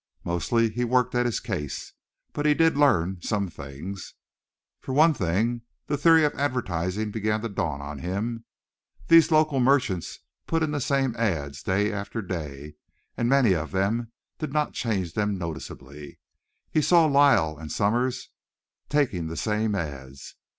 Mostly he worked at his case, but he did learn some things. For one thing, the theory of advertising began to dawn on him. These local merchants put in the same ads. day after day, and many of them did not change them noticeably. He saw Lyle and Summers taking the same ads.